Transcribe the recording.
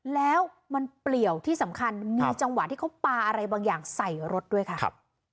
แล้วมันเปลี่ยวที่สำคัญมีจังหวะที่เขาปลาอะไรบางอย่างใส่รถด้วยค่ะ